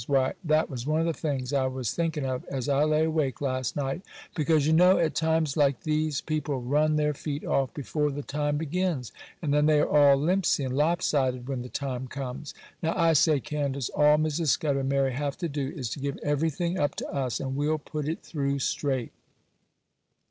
Why, that was one of the things I was thinking of as I lay awake last night: because you know at times like these people run their feet off before the time begins, and then they are all limpsey and lop sided when the time comes. Now, I say, Candace, all Mrs. Scudder and Mary have to do is to give everything up to us, and we'll put it through straight.